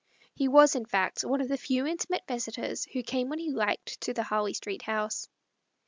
He was, in fact, one of the few intimate visitors who came when he liked to the Harley Street house.